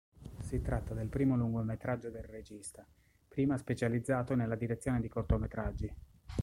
Si tratta del primo lungometraggio del regista, prima specializzato nella direzione di cortometraggi.